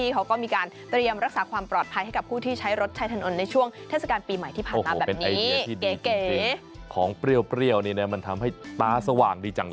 เป็นไอเดียที่ดีจริงของเปรี้ยวนี่นะมันทำให้ตาสว่างดีจังเลย